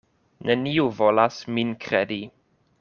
Neniu volas min kredi.